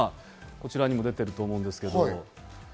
こちらにも出ていると思うんですけど。